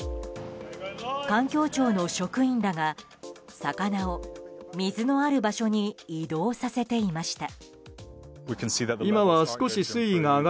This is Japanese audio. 環境庁の職員らが魚を水のある場所に移動させていました。